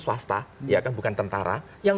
swasta bukan tentara yang